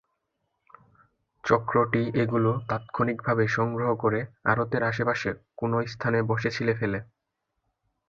চক্রটি এগুলো তাত্ক্ষণিকভাবে সংগ্রহ করে আড়তের আশেপাশে কোনো স্থানে বসে ছিলে ফেলে।